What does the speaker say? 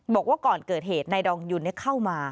บอกว่าก่อนเกิดเหตุนายดองยุนเข้ามา